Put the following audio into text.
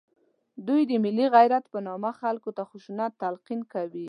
دوی د ملي غیرت په نامه خلکو ته خشونت تلقین کوي